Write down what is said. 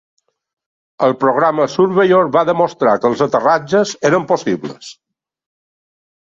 El programa Surveyor va demostrar que els aterratges eren possibles.